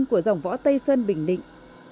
của dòng võ tây sơn bình định